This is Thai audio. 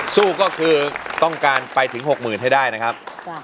สู้ก็คือต้องการไปถึง๖๐๐๐ให้ได้นะครับ